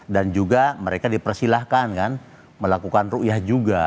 dan juga mereka dipersilahkan kan melakukan ru yah juga